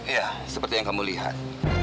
ya seperti yang kamu lihat